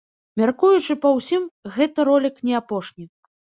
Мяркуючы па ўсім, гэты ролік не апошні.